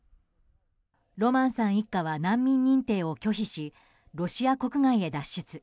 ロマンさん一家は難民認定を拒否しロシア国外へ脱出。